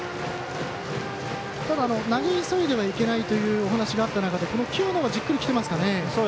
ただ、投げ急いではいけないというお話があった中でこの清野はじっくりきてますかね。